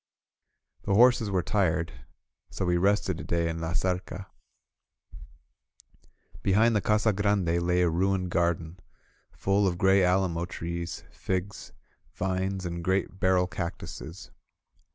..•" The horses were tired, so we rested a day in La Zarca. Behind the Casa Grande lay a ruined garden, full of gray alamo trees, figs, vines, and great barrel cactuses.